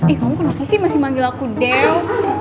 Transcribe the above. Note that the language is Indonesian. ih kamu kenapa sih masih manggil aku deo